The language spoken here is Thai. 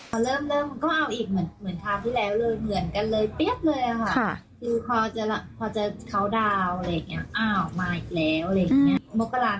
โอ้โหต้องบอกว่าเป็นกำลังใจที่ดีมากเลยครับ